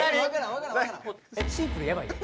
「シンプルやばいで」？